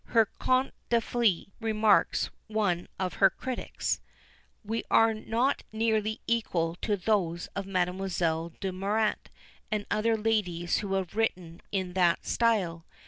"Her Contes des Fées," remarks one of her critics, "are not nearly equal to those of Mademoiselle de Murat and other ladies who have written in that style.